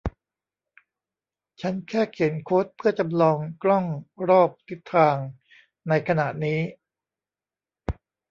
ฉันแค่เขียนโค้ดเพื่อจำลองกล้องรอบทิศทางในขณะนี้